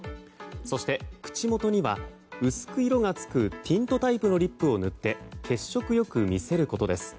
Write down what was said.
そして、口元には薄く色がつくティントタイプのリップを塗って血色良く見せることです。